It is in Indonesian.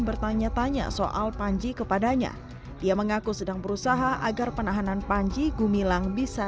bertanya tanya soal panji kepadanya dia mengaku sedang berusaha agar penahanan panji gumilang bisa